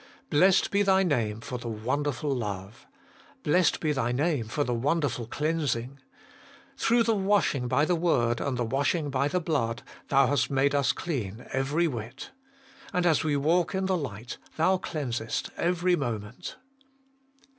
Blessed be Thy Name for the wonderful love. Blessed be Thy Name for the wonderful cleansing. Through the washing by the word and the washing in the blood, Thou hast made us clean every whit. And as we walk in the light, Thou cleansest every moment.